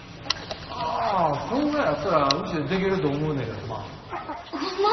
ああそのぐらいやったらうちでできると思うねけどな。ホンマ！？